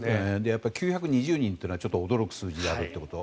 ９２０人というのは驚く数字であるということ。